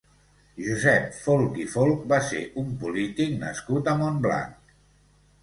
Josep Folch i Folch va ser un polític nascut a Montblanc.